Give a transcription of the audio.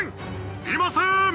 いません！